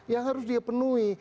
yang harus dia penuhi